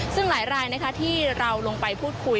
ซึ่งหลายรายที่เราลงไปพูดคุย